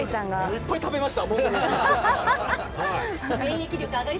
いっぱい食べました。